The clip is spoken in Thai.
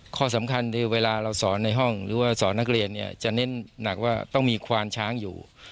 ข้อสำคัญคือเวลาเราสอนในห้องหรือว่าสอนนักเรียนเนี่ยจะเน้นหนักว่าต้องมีควานช้างอยู่